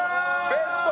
ベスト！